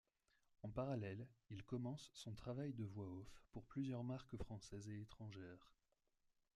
En parallèle il commence son travail de voix-off pour plusieurs marques françaises et étrangères.